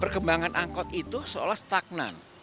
perkembangan angkot itu seolah stagnan